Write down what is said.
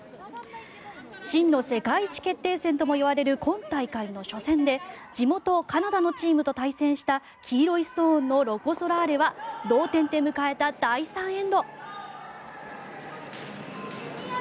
真の世界一決定戦ともいわれる今大会の初戦で地元カナダのチームと対戦した黄色いストーンのロコ・ソラーレは同点で迎えた第３エンド。